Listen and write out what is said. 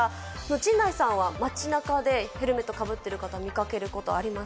陣内さんは街なかでヘルメットかぶってる方、見かけることありま